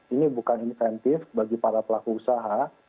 ini bukan insentif bagi para pelaku usaha